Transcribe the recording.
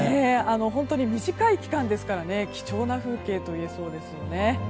本当に短い期間ですから貴重な風景といえそうです。